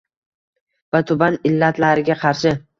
va tuban illatlariga qarshi